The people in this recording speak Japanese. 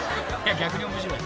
逆に面白い］